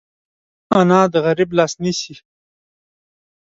انا د غریب لاس نیسي